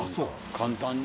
簡単に！